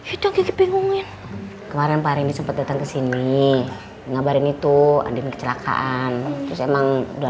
itu kepingin kemarin kemarin sempet datang kesini ngabarin itu ada kecelakaan emang udah